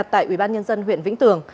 tại ubnd huyện vĩnh tường